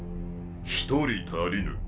１人足りぬ。